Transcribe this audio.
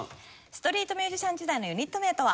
ストリートミュージシャン時代のユニット名とは？